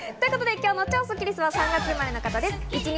今日のスッキりすは３月生まれの方です。